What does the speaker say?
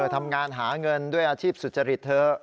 ทำงานหาเงินด้วยอาชีพสุจริตเถอะ